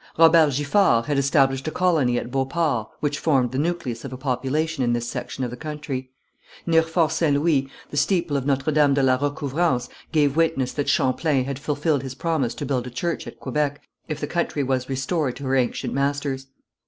Robert Giffard had established a colony at Beauport which formed the nucleus of a population in this section of the country. Near Fort St. Louis the steeple of Notre Dame de la Recouvrance gave witness that Champlain had fulfilled his promise to build a church at Quebec if the country was restored to her ancient masters.